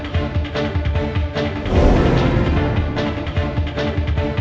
wah dibalikin gak tuh tangsi